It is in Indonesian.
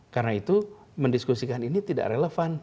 karena itu mendiskusikan ini tidak relevan